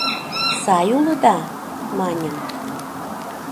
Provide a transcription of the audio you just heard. — Сай улыда? — маньым.